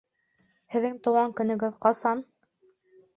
Һеҙҙең тыуған көнөгөҙ ҡасан?